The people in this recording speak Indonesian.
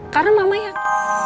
karena mama yang